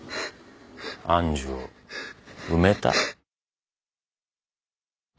愛珠を埋めた？